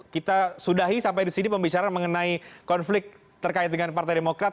kita sudahi sampai di sini pembicaraan mengenai konflik terkait dengan partai demokrat